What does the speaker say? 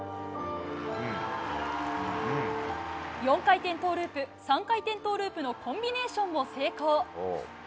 ４回転トウループ３回転トウループのコンビネーションも成功。